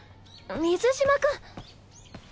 水嶋君！